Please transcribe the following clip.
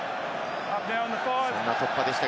そんな突破でした。